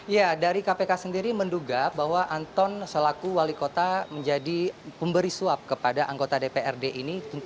ya dari kpk sendiri menduga bahwa anton selaku wali kota menjadi pemberi suap kepada anggota dprd ini